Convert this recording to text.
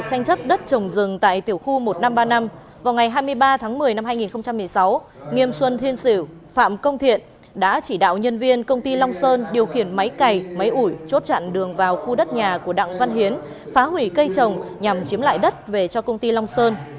tháng một mươi năm hai nghìn một mươi sáu nghiêm xuân thiên sử phạm công thiện đã chỉ đạo nhân viên công ty long sơn điều khiển máy cày máy ủi chốt chặn đường vào khu đất nhà của đặng văn hiến phá hủy cây trồng nhằm chiếm lại đất về cho công ty long sơn